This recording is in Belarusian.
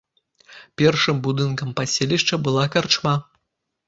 Першым будынкам паселішча была карчма.